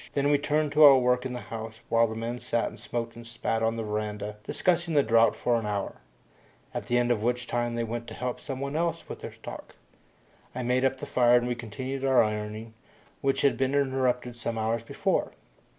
Then we turned to our work in the house while the men sat and smoked and spat on the veranda, discussing the drought for an hour, at the end of which time they went to help someone else with their stock. I made up the fire and we continued our ironing, which had been interrupted some hours before.